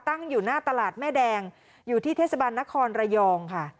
ตั้งอยู่หน้าตลาดแม่แดงอยู่ที่เทศบาลนครระยองค่ะ